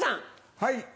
はい。